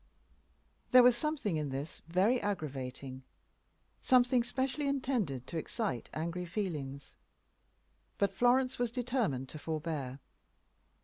There was something in this very aggravating, something specially intended to excite angry feelings. But Florence determined to forbear.